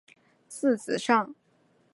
字子上。